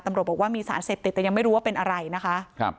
ตำรวจบอกว่ามีสารเสพติดแต่ยังไม่รู้ว่าเป็นอะไรนะคะ